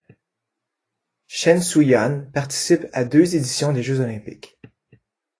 Chen Szu-yuan participe à deux éditions des Jeux olympiques.